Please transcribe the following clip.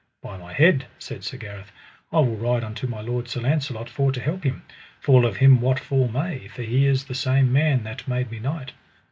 By my head, said Sir Gareth, I will ride unto my lord Sir Launcelot, for to help him, fall of him what fall may, for he is the same man that made me knight.